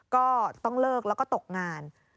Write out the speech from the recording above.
ก็ต้องเลิกแล้วก็ตกงาน